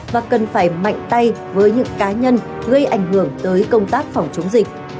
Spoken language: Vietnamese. và cần phải mạnh tay với những cá nhân gây ảnh hưởng tới công tác phòng chống dịch